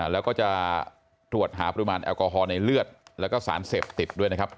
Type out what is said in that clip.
แล้วก็จะตรวจหาปริมาณแอลกอฮอลในเลือดแล้วก็สารเสพติดด้วยนะครับ